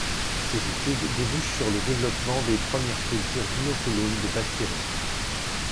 Ces études débouchent sur le développement des premières cultures d'inoculums de bactéries.